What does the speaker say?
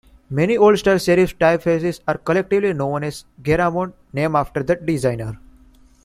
Many old-style serif typefaces are collectively known as Garamond, named after the designer.